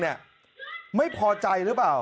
คือให้คนขับรถอีกคันหนึ่งไม่พอใจรึเปล่า